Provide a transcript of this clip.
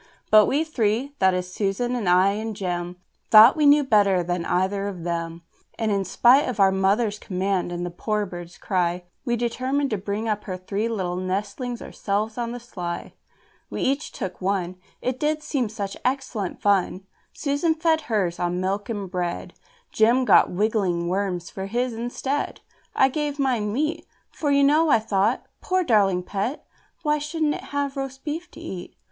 But we three that is Susan and I and Jem Thought we knew better than either of them: And in spite of our mother's command and the poor bird's cry, We determined to bring up her three little nestlings ourselves on the sly. We each took one, It did seem such excellent fun! Susan fed hers on milk and bread, Jem got wriggling worms for his instead. I gave mine meat, For, you know, I thought, "Poor darling pet! why shouldn't it have roast beef to eat?"